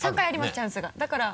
チャンスがだから。